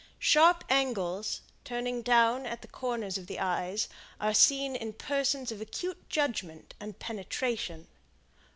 Sharp angles, turning down at the corners of the eyes, are seen in persons of acute judgment and penetration.